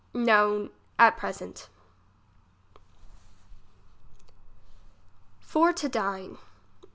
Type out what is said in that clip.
No, at present. For to dine.